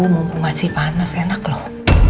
mumpung masih panas enak loh